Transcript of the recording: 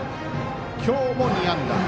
今日も２安打。